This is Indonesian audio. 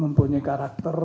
mempunyai karakter yang